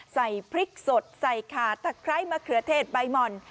ใส่พริกสดใส่ขาตะไคร้มะเขือเทศใบหม่อน